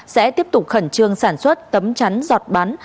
sẽ tiếp tục khẩn trương sản xuất tấm chắn giọt bắn